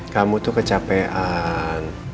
kamu tuh kecapean